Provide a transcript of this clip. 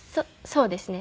そうですね。